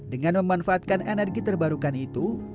dengan memanfaatkan energi terbarukan itu